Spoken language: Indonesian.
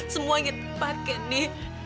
semuanya tepat candy